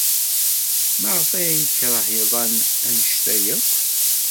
Maɣef ay yekṛeh iḍan anect-a akk?